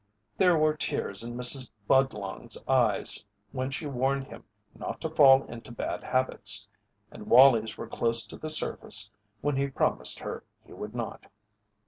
There were tears in Mrs. Budlong's eyes when she warned him not to fall into bad habits, and Wallie's were close to the surface when he promised her he would not.